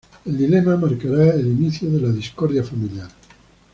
El dilema marcará el inicio de la discordia familiar.